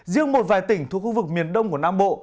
riêng một vài tỉnh thuộc khu vực miền đông của nam bộ